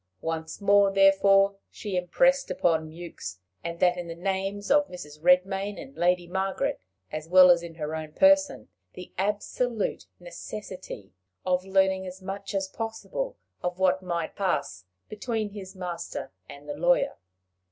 Once more, therefore, she impressed upon Mewks, and that in the names of Mrs. Redmain and Lady Margaret, as well as in her own person, the absolute necessity of learning as much as possible of what might pass between his master and the lawyer.